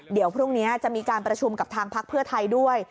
เดี๋ยวพรุ่งนี้จะมีการประชุมกับทางพักเพื่อไทยด้วย